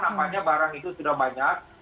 nampaknya barang itu sudah banyak